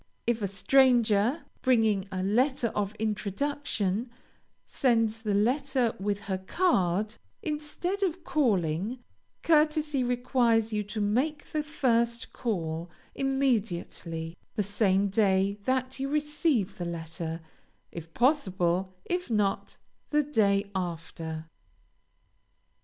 If a stranger, bringing a letter of introduction, sends the letter with her card, instead of calling, courtesy requires you to make the first call, immediately; the same day that you receive the letter, if possible, if not, the day after.